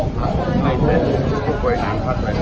ผมก็จำได้โรงสภาพแทนเคริปจังโรงหรือมารับนำตั้ง